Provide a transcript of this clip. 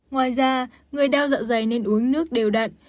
ngoài ra người đau dạ dày nên uống nước đều đặn